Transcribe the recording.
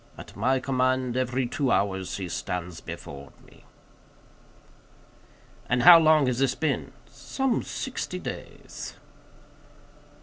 At my command, every two hours he stands before me." "And how long has this been?" "Some sixty days."